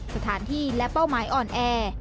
สถานที่และเป้าหมายอ่อนแอ